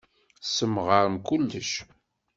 Tessemɣarem kullec.